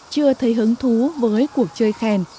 chưa thấy hứng thú với cuộc chơi khen